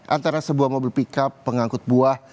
antara sebuah mobil pickup pengangkut buah